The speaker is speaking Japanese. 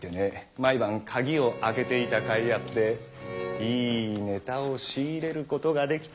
毎晩鍵を開けていたかいあっていいネタを仕入れることができた。